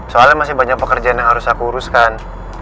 soalnya masih banyak pekerjaan yang harus aku uruskan